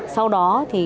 sau đó thì